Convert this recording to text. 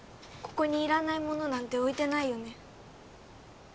ここにいらないものなんて置いてないよね